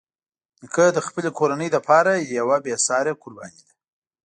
نیکه د خپلې کورنۍ لپاره یوه بېساري قرباني ده.